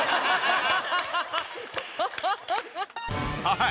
はい。